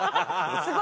すごい！